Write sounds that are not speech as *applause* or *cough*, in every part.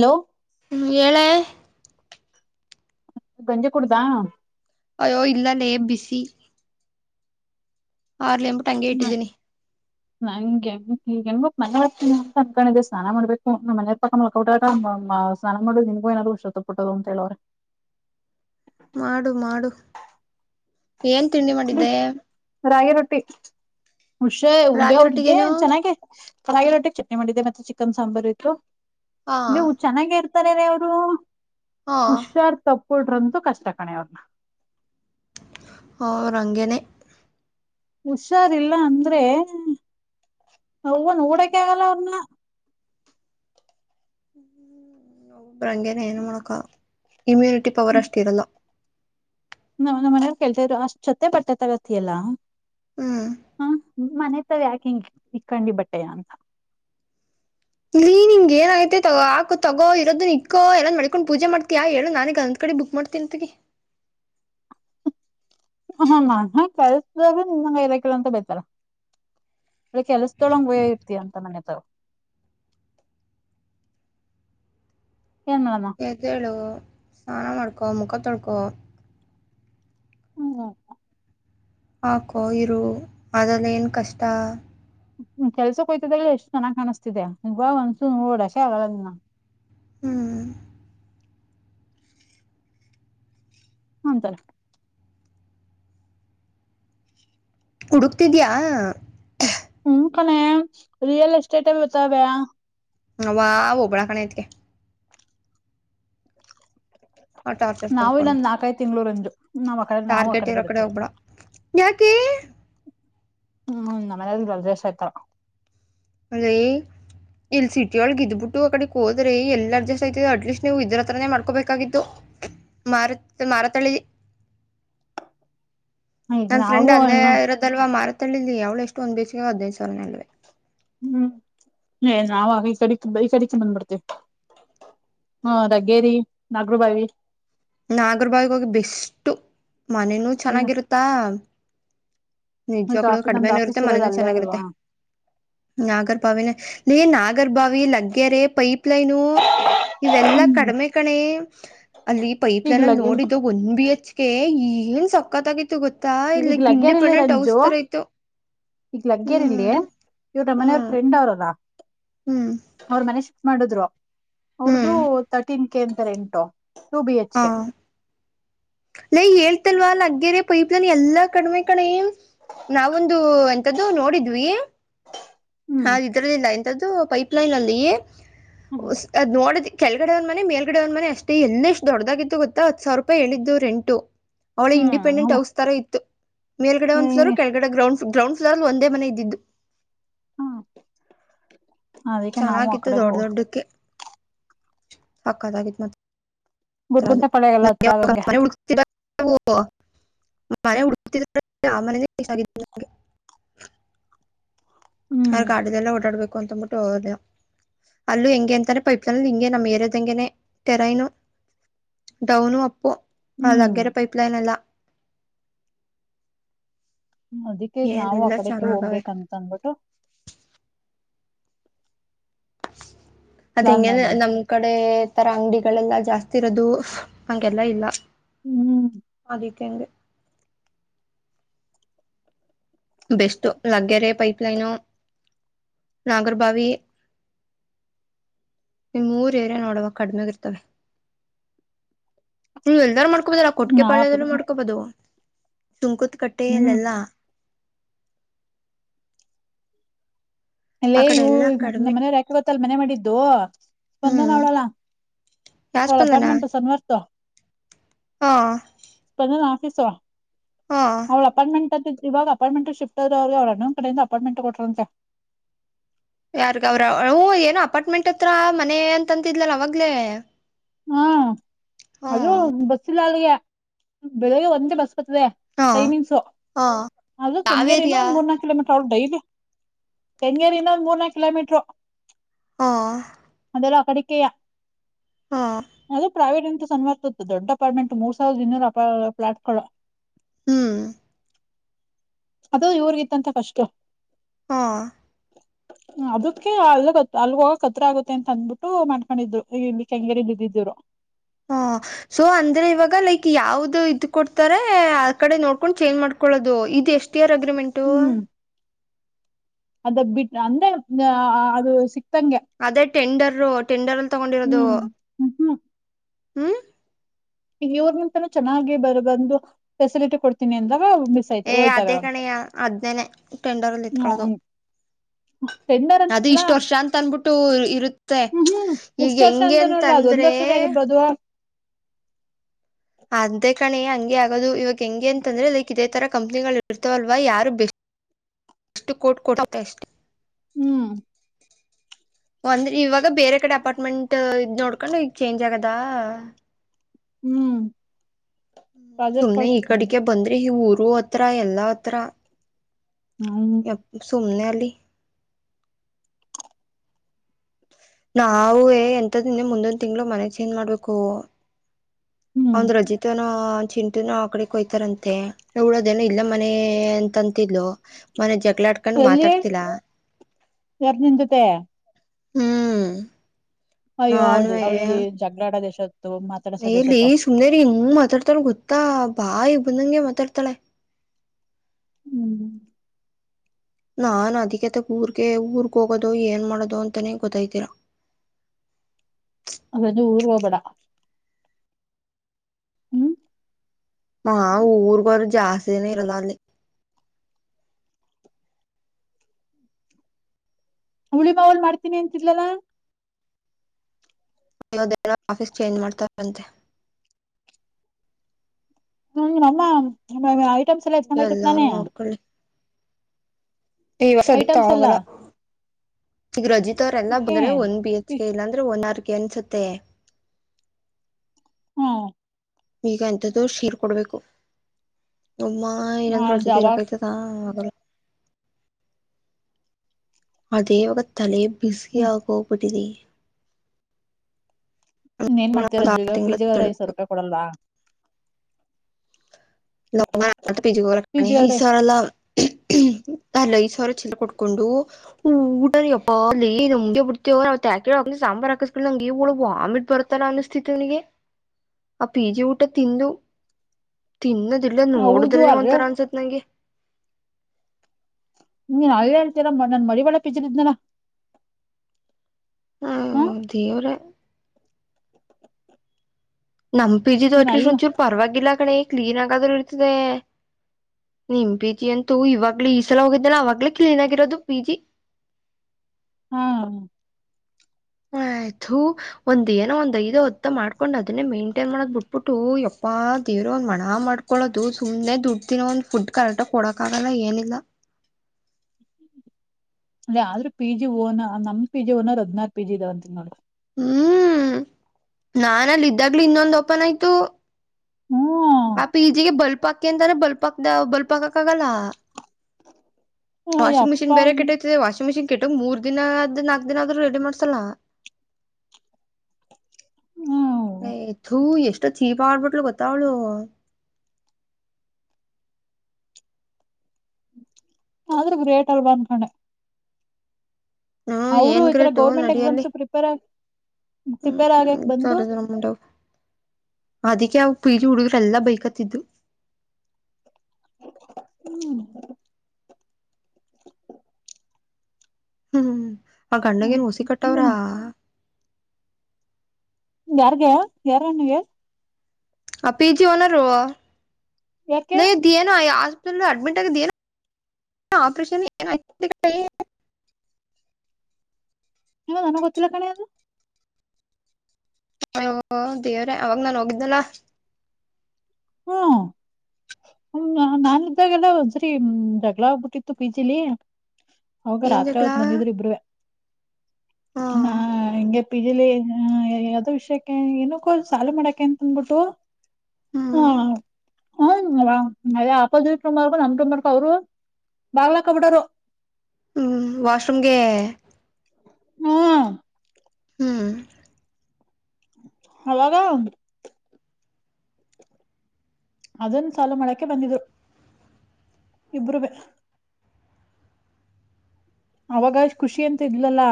Hello. ಏಳೆ. ಗಂಜೆ ಕುಡ್ದಾ. ಅಯೋ ಇಲ್ಲ ನೇ ಬಿಸಿ. ಆರ್ಲಿೇಂಬ ಬಿಟ್ಟು ಹಂ ಇಟ್ಟೀನಿ *inaudible* ನಂಗೆಗತ್ ಮ ಕನ್ಕೊಂಡಿದೆ ಸ್ನಾನ ಮಾಡ್ಬೇಕು ನಮ್ಮ ಮನ ಪಕ್ಕ ಮಕೌ ಸ್ನ ಮಾಡು ನಿ್ಗ ಏಾದರುಷತ್ತುುಟ್ಟದ ಅಂತ ಹೇಳವೆ ಮಾಡು ಮಾಡು ಏನ್ ತಿಂಡಿ ಮಾಡಿದ್ದೆ ರಾಗಿ ರೊಟ್ಟಿ ಹುಷ್ಯ ಹುಲ್ಯ ರಾಗಿ ಅವ್ರಿಗೆ ರೊಟ್ಟಿಗೇನು ಚೆನ್ನಾಗ ರಾಗಿ ರೊಟ್ಟಿಗೆ ಚಟ್ನಿ ಮಾಡಿದ್ದೇ ಮತ್ತೆ ಚಿಕನ್ ಸಾಂಬಾರು ಇತ್ತು ಹಾ ಚೆನ್ನಾಗ ಇರ್ತಾರ ರೇ ಅವರು ಹಾ ಹುಷಾರ್ ತಪ್ಪಟ್ರಂತೂ ಕಷ್ಟ ಕಣೆ ಅವ್ರನ್ನ ಅವರಂಗೇನೆ ಹುಷಾರಿಲ್ಲ ಅಂದ್ರೆ ಅವನ್ ಊಡಕ ಆಗಲ್ಲ ಅವ್ರನ್ನ ಹ್ಮ್ ಒಬ್ರಂಗಗೆನೆ ಏನ್ ಮಾಡಕ ಇಮ್ಯುನಿಟಿ ಪವರ್ ಅಷ್ಟ ಇರಲ್ಲ ನಾ್ ನಮ್ಮ ಮನವ್ ಕೇಳ್ತಿದ್ರು ಅಷ್ಟ್ ಜೊತೆ ಬಟ್ಟೆ ತಗತಿಯಲ್ಲ ಹ್ಮ್ ಮನೆತಾವ ಯಾಕೆಿಂಗ ಇಕ್ಕಂಡಿ ಬಟ್ಟಯ ಅಂತ ಇಲ್ಲಿೀ ನಿಂಗ ಏನಾಗೈತೆ ತಗೋ ಆಕ ತಗೋ ಇರೋದುು ಇಕ್ಕೋ ಎಏಂದ್ ಮಡ್ಕೊಂಡ್ ಪೂಜೆ ಮಾಡ್ತಯಾ ಹೇಳು ನನನ್ಗ್ ಅಂದ್ ಕಡೆ ಬುಕ್ ಮಾಡ್ತ ತಿಂತಗೆ ಹ ಕೆಲ್ಸ್ರೆ ನಿಮಂಗ ದಕಲಂತ ಬತಾರ *unintelligible* ಕೆಲಸದೊಳಗೆಯೋಗ ಇರ್ತತಿ ಅಂತ ಮನೆತ ಏನ್ ಮಾಡಣ ಎದ್ದೇಳು ಸ್ನಾನ ಮಾಡ್ಕೊ ಮುಖ ತೊಳ್ಕೊ ಹ್ಮ್ೌಾ ಹಾಕೋ ಇರು ಅದೆಲ್ಲ ಏನು ಕಷ್ಟ ಕೆಲ್ಸ ಹೋ್ತಿದ್ದಾಗ ಎಷ್ಟು ಚೆನ್ನ್ ಕಾಣಿಸತಿದೆ ಈ ಒನ್ಸೂನ್ ಓಡ್ಶೆ ಆಗಲ್ಲದನ್ನ ಹ್ಮ್ ಹಂತಾರೆ ಹುಡುಕ್ತಿದೆಯಾ ಹ್ಮ ಕಣ ರಿಯಲ್ ಎಸ್ಟೇಟ್ ಬರ್ತಾವ್ಯಾ ಆವಾ ಹೋಗಬೇಡ ಕಣೆ ಅತ್ತಿಗೆ ಆ ಟಾರ್ಚರ್ ನಾವೇ ತಡ್ಕೊಂಡು ನಂದ್ ನಾಲ್ಕೈದು ತಿಂಗಂಳೂಂದುು ನಾವ್ ಕಡೆ ನಾವು ಆ ಟಾರ್ಗೆಟ್ ಇರೋ ಕಡೆದೆ ಕಡೆ ಬರ್ತೀವಿ ಹೋಗ್ಬಿಡ ಯಾಕೆ ಹ್ಮ್ ನಮ್ಮ ಮನ ರೇಶ ಆಯ್ತಾರ ಅದ *inaudible* ಇಲ್ಲಿ ಸಿಟಿ ಒಳಗ್ ಇದ್ಬಿಟ್ಟು ಕಡೆ ಹೋ್ರ ಎ ಅಜಸ್ ಆಯಐತದೆ ಅಟ್ಲೀಸ್ಟ್ ನೀವು ಇದ್ರ ಹತ್ರನೇ ಮಾಡ್ಕೋಬೇಕಾಗಿಿದ್ದತ್ತು ಮಾರು ಮಾರತಳಿ ಇ ಅವೋ ನ *unintelligible* ಅಲ್ವಾ ಮಾರತಳ್ಳದ ಯಾವಳಷ್ಟ ಒಂದ್ ಬೇಸ ಹದಿನೈದು ಸಾವರನ ಅಲ್ವ ಹ್ಮ್ ಏ ನಾವಾಗ ಈ ಕಡೆಬೈಸ್ ಕಡಿಕ ಬಂದ್ಬಡ್ತೇವಿ ಲಗ್ಗೆರೆ ನಾಗರುೂಬಾವಿ ನಾಗರ ಬಾಗಗ ಹೋಗಿ ಬೆಸ್ು ಮನನೂ ಈಗ ಚೆನ್ನಾಗಿರುತ್ತಾ ನಿಜ್ವಾಗ್ಳೂ ಆಫೀಸ್ ನಮ್ದು ಕಡಿಮೆನ ಆಫೀಸ್ ಇರುತ್ತೆ ಇರೋದ ಮನೇನ ಅಲ್ಲೇ ಅಲ್ವಾ ಚೆನ್ನಾಗಿರುತ್ತೆ ನಾಗರಬಾವ ನೀ ನಾಗರಬಾವ ಲಗೆ ರ ಪೈಪ ಲೈನ್ು ಇವೆಲ್ಲಾ ಹ್ಮ್ ಕಡಿಮೆ ಕಡೆ ಅಲ್ಲಿ ಪೈಪ್ ಲೈನ್ ಅಲ್ಲಿ ಈಗ್ಲಗೇನ್ ನೋಡಿದ್ದ ಒನ್ ಬಿ ಎಚ್ ಕೆ ಏನ್ ಸಕ್ಕತ್ತಗ ಇತ್ತು ಗೊತ್ತಾ ಈಗ ಲೈಕ್ ಇಂಡಿಪೆಂಡೆಂಟ್ ಔಟ್ ತರ ಇತ್ತು ಈಗ್ ಲಗ್ಗೇರ್ ಅಲ್ಲಿ ಹ್ಮ್ ಇವ್ರ ನಮ್ಮ ಮನೆಯವ್ರ ಹ್ಮ್ ಫ್ರೆಂಡ್ ಅವ್ರಲ್ಲ ಹ್ಮ್ ಅವ್ರ ಮನೆ ಶಿಪ್ಟ್ ಮಾಡಿದ್ರು ಅವ್ರ್ದು ಹ್ಮ್ ತರ್ಟೀನ್ ಕೆ ಅಂತೆ ರೆಂಟು. ಟು ಬಿ ಎಚ್ ಹಾ ಕೆ ಲೇ ಹೇಳ್ತಲ್ವಾ ಲಗ್ಗೇರೆ ಪೈಪ್ ಲೈನ್ ಎಲ್ಲಾ ಕಡಿಮೆ ಕಣೆ. ನಾವೊಂದು ಎಂತದ್ದು ನೋಡಿದ್ವಿ ಹ್ಮ್ ಹ ಇದ್ರಲ್ಲಿಲ್ಲ ಎಂಥದ್ದು ಪೈಲೈನ್ ಅಲ್ಲಿ ಹ್ಮ್ ಒ ಅದ್ ನೋಡಿದ್ ಕೆಳಗಡೆ ಒಂದ್ ಮನೆ ಮೇಲ್ಗಡೆ ಒಂದ್ ಮನೆ ಅಷ್ಟೇ ಎಷ್ಟು ದೊಡಾಗಿತ್ತು ಗೊತ್ತ ಹತ್ತು ಸಾವಿರ ರೂಪಾಯಿ ಹೇಳಿದ್ದು ರೆಂಟು. ಒಳ್ಳೆ ಇಂಡಿಪೆಂಡೆಂಟ್ ಹ್ಮ್ ಹೌಸ್ ತರ ಇತ್ತು ಮೇಲ್ಗಡೆ ಒಂದು ಫ್ಲೋರು ಹ್ಮ್ ಕೆಳಗಡೆ ಗ್ರೌಂಡ್ ಪ್ಲೋ ಗ್ರೌಂಡ ಫ್ಲೋರ್ ಅಲ್ಲಿ ಒಂದೇ ಮನೆ ಇದ್ದಿದ್ದು. ಅದಕ್ಕೆ ನಾವು ಆ ಚೆನ್ನಾಗಿತ್ತು ಕಡೆಗೆ ದೊಡ್ಡ ಹೋಗ ದೊಡ್ಡಕ್ಕೆ ಸಕತ್ತಾಗಿತ್ತು ಮಾತ್ ಗುರುಗುಂಟೆ ಪಾಳ್ಯ ಎಲ್ಲಾ ಹತ್ತಿರ ಇವಾಗ ಅಗಾಂಗೆ *unintelligible* ಹ್ಮ್ ಅವ್ ಗಾಡಿ ಎಲ್ಲಾ ಓಡಾಡ್ಬೇಕು ಅಂತ ಅನ್ನಬಿಟ್ಟು ಲೆ ಅಲ್ಲೂ ಹೆಂಗೆ ಅಂತಾನೆ ಪೈಪ್ ಲೈನ್ ಹೆಂಗೆ ನಮ್ಮ ಏರಿಯಾದಗೆನೆ ಟೆರೈನು ಡೌನು ಅಪ್ಪು ಅ ಹ್ಮ್ ಲಗ್ಗೆರೆ ಪೈಪ್ ಲೈನ್ ಎಲ್ಲಾ ಅದಿಕ್ಕೆ ಈಗ್ ನಾವು ಆ ಏನೆಲ್ಲ ಕಡೆಕ್ಕೆ ಚೆನ್ನಾಗವೆ ಹೋಗ್ಬೇಕಂತ ಅನಬಿಟ್ಟು ಪ್ಲಾನ್ ಅದೆೆಂಗೆ ಮಾಡಿದ್ವಿ ನಮ್ ಕಡೆ ತರ ಅಂಗಡಿಗಳೆಲ್ಲಾ ಜಾಸ್ತಿ ಇರೋದು ಹಂಗೆಲ್ಲ ಇಲ್ಲಾ ಹ್ಮ್ ಅದಿಕ್ಕೆ ಹಂಗೆ ಬೆಸ್ಟ್ ಲಗ್ಗರೆ ಪೈಪ್ ಲೈನು ನಾಗರಬಾವಿ ನಿಮ್ ಮೂರ್ ಏರಿಯಾ ನೋಡು ಕಡಿಮೆಗ್ ಇರ್ತವೆ ನೀವ್ ಎಲ್ಲಾದ್ರೂ ಮಾಡ್ಕೊಬಹುದ್ ಕೊಟ್ಟಿಗೆ ನಾವ್ ಆ ಕಡೆ ಪಾಳ್ಯದಲ್ಲೂ ಮಾಡಕೋಬಹುದು ಸುಂಕುದ್ ಕಟ್ಟೆ ಹ್ಮ್ ಅಲ್ಲೆಲ್ಲಾ ಆ ಅಲ್ಲೇ ಕಡೆ ಇವು ಎಲ್ಲಾ ನಮ್ಮ ಕಡಿಮೆ ಮನೆಯವ್ರೂ ಯಾಕ್ ಗೊತ್ತ ಅಲ್ಲಿ ಮನೆ ಮಾಡಿದ್ದು ಸ್ಪಂದನ ಹ್ಮ್ ಅವಳಲ್ಲ. ಯಾವ್ ಹ ಸ್ಪಂದನ ಅರ್ಪಾಟ್ಮೆಂಟು ಸಮ್ಯಾಸ್ತು. ಹಾ ಸ್ಪಂದನ ಆಪೀಸು ಹಾ ಅವಳ್ ಅರ್ಪಾಟ್ಮೆಂಟು ಅಂತ ಇವ್ ಅವಳ್ ಅರ್ಪಾಟ್ಮೆಂಟು ಶಿಫ್ಟ್ ಆದ್ರೆ ಅವಳ್ ಅಣ್ಣ ಕಡೆಯಿಂದ ಅರ್ಪಾಟ್ಮೆಂಟು ಕೊಟ್ರಂತೆ. ಯಾರ್ಗ ಅವ್ರ ಹೂ ಏನೋ ಅರ್ಪಾಟ್ಮೆಂಟ್ ಹತ್ರ ಮನೆ ಅಂತಂತಿದ್ಲ ಅಲ್ಲ ಅವಗ್ಲೇ ಹಾ ಅದೂ ಬಸ್ ಇಲ್ಲ ಅಲ್ಲಿಗೆ ಬೆಳಿಗ್ಗೆ ಒಂದ್ ಬಸ್ ಬತದೆ. ಹಾ ಟೈಮಿಂಗ್ಸ್ ಹಾ ಅದು ಯಾವ್ ಕೆಂಗೇರಿಯಿಂದ ಏರಿಯಾ ಒಂದ್ ಮೂರ್ನಾಕು ಕಿಲೋಮೀಟ್ ಅವ ಡೈಲಿ ಕೆಂಗೇರಿ ಇಂದು ಒಂದ್ ಮೂರ್ನಾಕು ಕಿಲೋಮೀಟರೂ. ಹಾ ಬರೀ ಅಕಡಿಕ್ಕೆೆಯ ಹಾ ಅದು ಪ್ರೈವೇಟ್ ಅಂತ ಸನ್ಮದ್ ದೊಡ್ಡ ಅರ್ಪಾಟ್ಮೆಂಟು ಮೂರ್ ಸಾವಿರದ ಇನ್ನೂರು ಅ ಫ್ಲಾಟ್ ಗಳು ಹ್ಮ್ ಅದೇ ಇವ್ರಗಿತ್ತಂತೆ ಪಾಸ್ಟ್ ಹಾ *unintelligible* ಅದಕ್ಕೆ ಅಲ್ ಅಲ್ಲಿ ಹೋಗಕ್ ಹತ್ರ ಆಗುತ್ತೆ ಅಂತ ಅಂದ್ಬಿಟ್ಟು ಮಾಡ್ಕೊಂಡಿದು ಇಲ್ಲಿ ಕೆಂಗೇರಿ ಇಲ್ಲಿ ಇದ್ದಿದ್ ಇವರು. ಹಾ ಸೋ ಅಂದ್ರೆ ಇವಾಗ ಲೈಕ್ ಯಾವ್ದ್ ಇದು ಕೊಡ್ತಾರೆ ಆ ಕಡೆ ನೋಡ್ಕೊಂಡ್ ಚೇಂಜ್ ಮಾಡ್ಕೊಳ್ಳೋದು ಇದು ಎಷ್ಟ್ ಇಯರ್ ಅಗ್ರಿಮೆಂಟು ಅದ್ ಬಿಟ್ಟ್ ಅಂದ್ರೆ ಅದು ಸಿಕ್ತಂಗೆ ಅದೇ ಟೆಂಡರ್ ಟೆಂಡರ್ ಅಲ್ಲಿ ತಗೊಂಡಿರೋದು ಹ್ಮ್ ಹ್ಮ್ ಹ್ಮ. ಇವ್ರ ನಿಂತನೂ ಚೆನ್ನಾಗಿ ಬರ ಬಂದು ಫೆಸಿಲಿಟಿ ಕೊಡ್ತೀನಿ ಅಂದಾಗ ಮಿಸ್ ಆಯ್ತ ಏ ಹೋಯ್ತಾರೆ ಅದೇ ಅವ್ರು ಕಣೆಯ ಅದ್ನನೆೇ ಟೆಂಡರ್ ಅಲ್ಲಿ ಹ್ಮ್ ಇತ್ಕೊಳ್ಳೋದು. ಹ್ಮ್ ಟೆಂಡರ್ ಅದ ಅಂತೆಲ್ಲ ಇಷ್ಟ ವರ್ಷ ಅಂತ ಅನ್ಬಿಟ್ಟು ಇರು ತ್ತೆ ಹ್ಮ್ ಹ್ಮ್ ಈಗ ಇಷ್ಟ ವರ್ಷ ಹೆಂಗೆ ಅಂತನೂ ಅಂತ ಇಲ್ಲ ಅದು ಒಂದ್ ಅಂದ್ರೆ ವರ್ಷದ ಆಗಿರ್ಬೋದು ಅದೇ ಕಣೆ ಹಂಗೆ ಆಗೋದು ಇವಾಗ ಹೆಂಗೆ ಅಂತಂದ್ರೆ ಲೈಕ್ ಇದೇ ತರ ಕಂಪನಿಗಳ ಇರ್ತವಲ್ವ ಯಾರು ಬೆಸ್ ಷ್ಟು ಕೋಟ್ ಕೊಡತ ಅಷ್ ಹ್ಮ. ಒಂದ ಇವಾಗ ಬೇರೆ ಕಡೆ ಅಪಾರ್ಟ್ಮೆಂಟ್ ಇದ ನೋಡ್ಕೊಂಡು ಈಗ ಚೇಂಜ್ ಆಗದ. ಹ್ಮ. ಸುಮ್ನೆ ಈ ಬಂದೆ ಕಡೆಕೆ ಬಂದ್ರ ಇ ಊರು ಹತ್ರ ಎಲ್ಲಾ ಹತ್ರ. ಹ್ಮ. ಯ ಸುಮನೆ ಅಲ್ಲಿ ನಾವುವೆ ಎಂತ್ದಿಂದ ಮುಂದೊಂದ ತಿಂಗಳು ಮನೆ ಚೇಜ್ ಮಾಡ್ಬೇಕು. ಹ್ಮ್ ಅವಂದ ರಜಿತನ ಚಿಂಟುನು ಆ ಕಡೆ ಹಯ್ತಾರಂತೆ ಇವಳ ಅದೇನೋ ಇಲ್ಲೇ ಮನೆ ಅಂತಂತಿದ್ಲು. ಮನೆ ಜಗಳಲಾಡ್ಕಂಡ ಎಲ್ಲಿ ಮಾತಾಡತಿಲ್ಲ. ಯಾರ್ ನಿನ್ ಜೊತೆ ಹ್ಮ. ಅಯ್ಯೋ ಅವಳ ಅವಳಿ ಜಗಳಾಡ ದೇಶತ್ತು ಮತ್ತ ನೆಲಿ ಸುಮನೆರಿ ಇನ್ ಮಾತಾಡ್ತಾಳ ಗೊತ್ತಾ ಬಾಯ ಬಂದಂಗೆ ಮಾತಾಡ್ತಾಳೆ. ಹ್ಮ. ನಾನ ಅದಕ್ಕೆತೆ ಊರ್ಗೆ ಊರ್ಗ್ ಹೋಗೋದು ಏನ್ ಮಾಡೋದು ಅಂತಾನೇ ಗೊತ್ತಯತಿಲ್ಲ. ಹಾಗಾರೆ ಊರ ಹೋಗಬೇಡ. ಹ್ಮ್ ನಾವ್ ಊರ್ಗೋರೇ ಜಾಸ್ತಿನೇ ಇರಲ್ಲ ಅಲ್ಲಿ. ಹುಳ ಬಾವಲ್ ಮಾಡ್ತೀನಿ ಅಂತಿದ್ಲಲ ಇವ್ ಅದ್ ಏನ್ ಆಫೀಸ್ ಚೇಂಜ್ ಮಾಡ್ತಾರಂತೆ. ಹ್ಮ ನಮ್ಮ ಐಟಮ್ಸ ಎತ್ತಕೊಂಡ ಓಯ್ತಾರ್ ಎಲ್ಲಾರು ತಾನೇ. ನೋಡ್ಕೊಳ್ಳಿ ಈ ವರ್ಷ ಐಟಮ್ಸ್ ಎಲ್ಲ ಆಗಲ್ಲ ಈಗ ರಜಿತ ಅವ್ರ ಎಲ್ಲ ಏಕೆ ಬಂದರೆ ಒಂದ್ ಬಿ ಎತ್ ಎಚ್ಕೆ ಇಲ್ಲಾಂದ್ರೆ ಒನ್ ಆರ್ಕೆ ಅನ್ಸತ್ತೆ. ಹ್ಮ್ ಈಗ ಎಂತದ್ದು ಶೀರ್ ಕೊಡ್ಬೇಕು ಯಮ್ಮ ಏನಂದ್ರ ಅವ್ಳ ಹೌದು ಜೊತೆ ಅವಾಗ ಇರಕೈತದ. ಹಾ ಅಗ ಅದೇ ಇವಾಗ ತಲೆೇ ಬಿಸಿ ಆಗೋ ಬಿಟ್ಟಿದೆ. ಇನ್ನೇನ ಮಾಡ್ತೀರ ಒಂದ್ ಆರು ಜಗ ತಿಂಗಳು ಫಿಜಿ ಅವ್ರ ಐ ತಿಳ್ಬೇಕು ಸಾವರೂಪಾಯಿ ಕೊಡಲ್ವಾ. ನಾವ್ ಅದ್ ಪಿಜಿ ಗರ ಪಿ ಜಿ ಆದ್ರೆ ಈಐಸರಲ್ಲ. *inaudible* ಅಲ್ಲ ಐ ಸಾರ ಚಿಲ್ಲರೆ ಕೊಟ್ಕೊಂಡು ಊಟ ಯಾಪಾ ಅಲ್ಲಿ ನಮಉಂಡೆ ಬಿಡ್ತವ ನಕ ಸಾಂಬಾರ್ ಹಾಕಸ್ಕೊಂಡ ನಂಗೆ ಒಳಗ ವಾಮಿಟ್ ಬರತ್ತ. ತನ ಅನಿಸ್ತಿತನಿಗೆ ಆ ಪಿಜಿ ಊಟ ತಿಂದು ತಿನ್ನದಿಲ್ಲ ಹೌದು ನೋಡಿದ್ರನ ಅದೇ ಒಂತರ ಅನ್ಸತ್ ನಂಗೆ ನೀನ ಅಲ್ಲೇ ಇರ್ಲಿ ಅಲ್ಲ ನನ್ ಮರಿವಾಳ ಪಿಜ್ರಿದ್ನಲ ಹಾ ದೇವ್ರೇ ನಮ್ಮ ಪಿಜಿದು ನೀನ್ ಅಲ್ ಅಟ್ಲೀಸ್ಟ್ ಒಂಚೂರ ಪರವಾಗಿಲ್ಲ ಕಣೆ ಕ್ಲೀನ್ ಆಗಾದ್ರು ಇರ್ತಿದೆ. ನಿಮ್ ಪಿ ಜಿ ಅಂತೂ ಇವಾಗ್ಲು ಈ ಸಲ ಹೋಗಿದ್ದಾನ ಆವಾಗ್ಲೇ ಕ್ಲೀನ್ ಆಗಿರೋದು ಪಿ ಜಿ. ಹ್ಞಾ. ಹ ತು ಒಂದ್ ಏನೋ ಒಂದ್ ಐದೋ ಹತ್ತೋ ಮಾಡ್ಕೊಂಡ ಅದನ್ನೇ ಮೇಂಟನ್ ಮಾಡೋದ ಬಿಟ್ಬಿಟ್ಟು ಯಪ್ಪಾ ದೇವ್ರ ಒಂದ್ ಮಣ ಮಾಡ್ಕ ಕೊಡೋದು ಸುಮ್ನೆ ದುಡ್ ತಿನ ಒಂದು ಫುಡ್ ಕರೆಕ್ಟ ಕೊಡಕ್ಕಾಗಲ್ಲ ಏನಿಲ್ಲ ಅಲ್ಲ ಆದ್ರ ಪಿ ಜಿ ಓನ ನಮ್ಮ ಪಿ ಜಿ ಓನರ್ ಹದ್ರು ಪಿ ಜಿ ಇದಾವ ಅಂತ ನೋಡಿ ಹ್ಮ್ ನಾನಲ್ಲಿ ಇದ್ದಾಗ್ಲೂ ಇನ್ನೊಂದು ಓಪನ್ ಆಯ್ತು ಹ್ಮ್ ಅಪ ಈಜಿಗೆ ಬಲ್ಪಾಕಿ ಅಂತ್ರೆ ಬಲ್ಪಾಕ್ದ ಬಲ್ಪಾಕಕ ಆಗಲ್ಲ ವಾಷಿಂಗ್ ಮಿನ್ ಯಪ್ಪಾ ಬೇರೆ ಕೆಟ್ಟಯತಿದೆ ವಾಷಿಂಗ್ ಮಷಿನ್ ಕೆಟ್ಟ್ ಮೂರ್ ದಿನದ ನಾಲ್ಕ್ ದಿನ ಆದೂ ರೆಡಿ ಮಾಡ್ಸಲ್ಲ ಹ್ಮ್ ನಥೂ ಎಷ್ಟು ಚೀಪ ಆಡ್ಬಿಟ್ಲು ಗೊತ್ತಾವ್ಳು ಆದ್ರೆ ಗ್ರೇಟ್ ಅಲ್ ಬ ಅಂದ್ಕಣೆ ಹ್ಮ್ ಅವರು ಏನ್ ಈತರ ಗ್ರೇಟು ಗೌರ್ಮೆಂಟ್ ನಡಿಯಲ್ಲಿ ಎಕ್ಸಾಮ್ಸ್ ಪ್ರಿಪೇರ್ ಹ್ಮ್ ಪ್ರಿಪೇರ್ ಆಗಕ್ ಬಂದು *unintelligible* ಅದಕ್ಕೆ ಅವವು ಪಿಜಿ ಹುಡುಗ್ರರೆಲ್ಲ ಬೈೇಕತ್ತಿದ್ದು ಹ್ಮ್ ಹ್ಮ್ ಆ ಗಂಡಗೇನ್ ಹಸಿ ಕಟ್ಟವ್ರಾ ಯಾರ್ಗ ಯಾರಣಗೆ ಆ ಪಿ ಜಿ ಓನರ್ ಹ ಯಾಕೆ ನೀ ಏನ ಆಸ್ಪತ್ಲ್ ಅಡ್ಮಿಟ್ ಆಗಿದ ಏ ಆಪರೇಷನ್ ಏ ನಿಮ್ಮ ನನ ಗೊತ್ತಲ್ಲ ಕಣೆ ಅದು ಅಯ್ಯೋ ದೇವ್ರ ಅವಾಗ ನಾ ಹೋಗಿದ್ದನ ಹಾ ಹ್ಮ ನಾ ಇದ್ದಾಗಲ್ಲ ಒಂದ್ಸರಿ ಜಗಳ ಆಗ್ಬಿಟ್ಟಿತ್ತು ಪಿ ಜಿಲಿ ಅವಾಗ ಏನ್ ರಾತ್ರಿ ಜಗಳ ಅವತ್ ಬಂದಿದ್ರ ಇಬ್ರೇ ಹಾ ನಾ ಹಂಗಗೆ ಬಿಜಿಲಿ ಯಾವ್ದೋ ವಿಷಯಕ್ಕೆ ಏನಕ್ಕೋ ಸಾಲು ಮಾಡಕ ಅಂತ ಅಂದಬಿಟ್ಟು ಹ್ಮ್ ಹಾ ಹ್ಮ ಅದೇ ಆಪೋಸಿಟ್ ಬಾರ್ಕು ನಮ್ ಬರ್ಕ ಅವ್ರು ಬಾಗ್ಲಾಕ್ಕ ಬಿಡರು ಹ್ಮ್ ವಾಶ್ರೂಮ್ಗೆ ಹ್ಮ ಹ್ಮ್ ಹವಾಗ ಅದನ್ ಸಾಲ ಮಳಕೆ ಬಂದಿದ್ದು ಇಬ್ಬರು ಬ ಅವಾಗಷ್ಟ ಖುಷಿ ಅಂತ ಇದ್ಲಲ್ಲಾ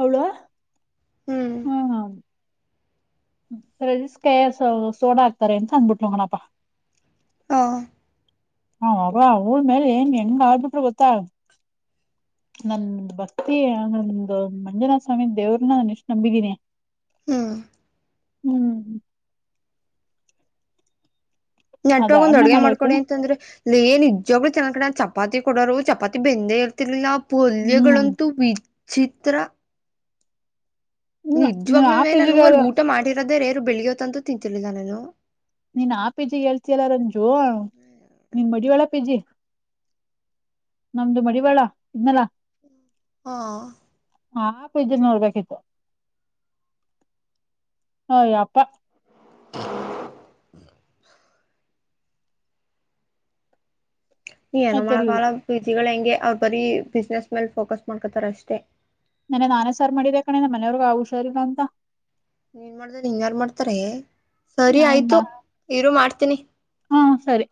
ಅವಳ ಹ್ಮ್ ಸಕ ಸೋಣ ಆಗ್ತಾರೆ ಅಂತ ಅಂದಬಿಟ್ಹೋಗಣನಪ್ಪಾ ಹಾಂ ಹ ಅವ ಊಳ ಮೇಲೆ ಏನ್ ಹೆಂಗ ಆಗ್ಬಿಟ್ ಗೊತ್ತಾಗ ನನ್ನ ಭಕ್ತಿ ನಂದು ಮಂಜುನಾಥ ಸ್ವಾಮಿ ದೇವ್ರನ್ನ ನಾನ ಎಷ್ಟು ನಂಬಿದ್ದೀನಿ ಹಾ ಹ್ಮ್ ಅದ ನೆಟ್ವಾಗ ಒಂದು ಆಣೆ ಅಡ್ಗೆ ಮಾಡಿ ಮಾಡ್ಕೊಡಿ ಹೇಳ್ತೇನೆ ಅಂತಂದ್ರೆ ಇ ಏನ್ ನಿಜ್ಚೆನ್ನ ಕಡೆ ಚಪಾತಿ ಕೊಡೋರು ಚಪಾತಿ ಬೆಂದೇ ಇರ್ ನವು ಹ್ಮ್ ಪೊಲ್ಯಗಳಂತೂ ವಿಚಿತ್ರ ನೀ ನಿಜವಾಗ್ ಆ ನಾನು ಪೇಜಿಗೆ ಅಲ್ ಊಟ ಮಾಡಿರೋದೇ ರೇರು ಬೆಳಗ್ಗಯತ್ಂತೂ ತಿಂತರ್ಲಿಲ್ಲ ನಾನು ನೀನ್ ಆ ಪಿಜಿ ಹೇಳ್ತಿಯಯಲ್ಲ ರಂಜು ನೀನ್ ಮಡಿವಾಳ ಪಿಜಿ ನಮ್ದು ಮಡಿವಾಳ ಇದ್ನಲ್ಲಾ ಹಾ ಆ ಪಿಜಜಿ ನೋಡ್ಬೇಕಿತ್ತು ಅ ಅಪ್ಪ *unintelligible* ಏನೋ ಆಯ್ತಿರ್ಲಿಲ್ಲ ಮಾಡಕಾಲ ಪಿ ಜಿಗಳು ಹೆಂಗೆ ಅವ್ರು ಬರೀ ಬಿಸ್ನೆಸ್ ಮೇಲ್ ಫೋಕಸ್ ಮಾಡ್ಕೊತಾರ ಅಷ್ಟೇ ನನ್ನ ನಾನೇ ಸರ್ ಮಾಡಿದೆ ಅ ಕಣ ನಮ್ಮ ಮನವ್ರಗ ಹುಷಾರಿಲ್ಲ ಅಂತ ನೀನು ಮಾಡ್ದ ಹಿಂಗ ಯಾರು ಮಾಡ್ತಾರೆ ಸರಿ ಆಯ್ತು ಹ ಇರು ಮಾಡ್ತೀನಿ ಹಾ ಸರಿ